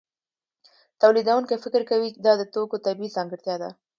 تولیدونکی فکر کوي دا د توکو طبیعي ځانګړتیا ده